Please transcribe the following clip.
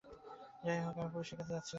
যাইহোক আমি পুলিশের কাছে যাচ্ছিলাম না।